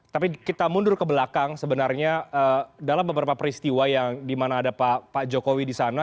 tapi kita mundur ke belakang sebenarnya dalam beberapa peristiwa yang dimana ada pak jokowi di sana